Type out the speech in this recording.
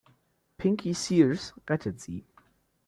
Pinky Sears rettet sie.